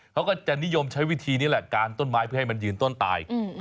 เขาก็จะนิยมใช้วิธีนี้แหละการต้นไม้เพื่อให้มันยืนต้นตาย